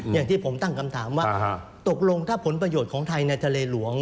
อย่างที่ผมตั้งคำถามว่าตกลงถ้าผลประโยชน์ของไทยในทะเลหลวง